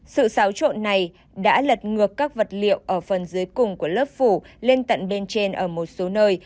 sự xáo trộn này đã lật ngược các vật liệu ở phần dưới cùng của lớp phủ lên tận bên trên ở một số nơi